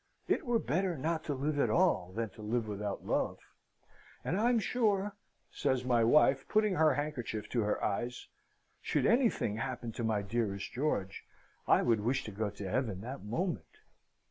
It were better not to live at all, than to live without love; and I'm sure," says my wife, putting her handkerchief to her eyes, "should anything happen to my dearest George, I would wish to go to Heaven that moment."